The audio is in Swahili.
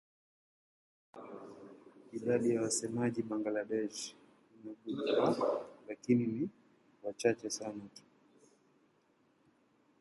Idadi ya wasemaji nchini Bangladesh haijulikani lakini ni wachache sana tu.